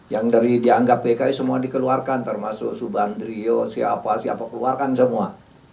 yang dari dianggap pki semua dikeluarkan termasuk subandrio siapa siapa keluarkan semua